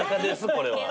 これは。